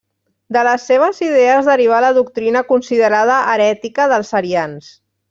De les seves idees derivà la doctrina considerada herètica dels arians.